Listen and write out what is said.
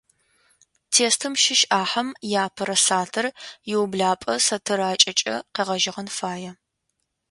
Тестым щыщ ӏахьэм иапэрэ сатыр иублапӏэ сатыракӏэкӏэ къегъэжьэгъэн фае.